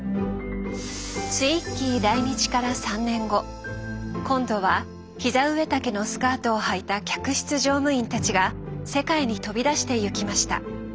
ツイッギー来日から３年後今度は膝上丈のスカートをはいた客室乗務員たちが世界に飛び出してゆきました！